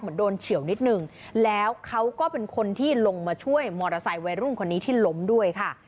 โดนเฉียวนิดนึงแล้วเขาก็เป็นคนที่ลงมาช่วยมอเตอร์ไซค์วัยรุ่นคนนี้ที่ล้มด้วยค่ะ